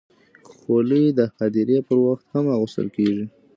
خولۍ د هدیرې پر وخت هم اغوستل کېږي.